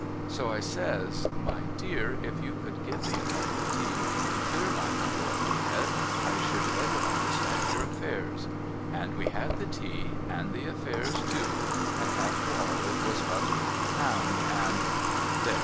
So I says ' My dear if you could give me a cup of tea to clear my muddle of a head I should better understand your affairs.' And we had the tea and the affairs too and after all it was but forty pound, and There